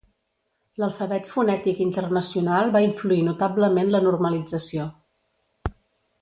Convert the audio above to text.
L'Alfabet Fonètic Internacional va influir notablement la normalització.